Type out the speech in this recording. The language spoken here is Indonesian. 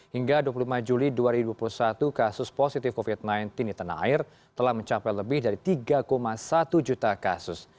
hingga dua puluh lima juli dua ribu dua puluh satu kasus positif covid sembilan belas di tanah air telah mencapai lebih dari tiga satu juta kasus